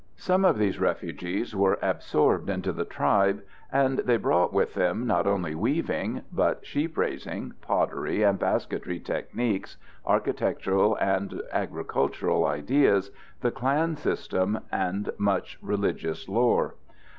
Some of these refugees were absorbed into the tribe, and they brought with them not only weaving, but sheep raising, pottery and basketry techniques, architectural and agricultural ideas, the clan system, and much religious lore.